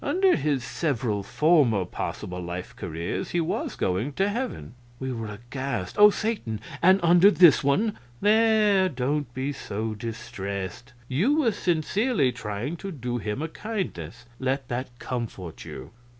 Under his several former possible life careers he was going to heaven." We were aghast. "Oh, Satan! and under this one " "There, don't be so distressed. You were sincerely trying to do him a kindness; let that comfort you."